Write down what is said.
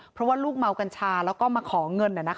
เพราะว่าลูกเมากัญชาแล้วก็มาขอเงิน